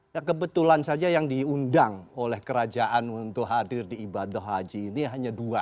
ya kebetulan saja yang diundang oleh kerajaan untuk hadir di ibadah haji ini hanya dua